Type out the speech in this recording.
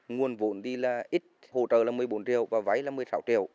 nguồn vụn đi là ít hỗ trợ là một mươi bốn triệu và váy là một mươi sáu triệu